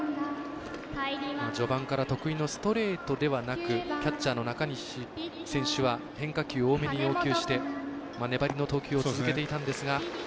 序盤から得意のストレートではなくキャッチャーの中西選手は変化球多めに要求して粘りの投球は続けていたんですが。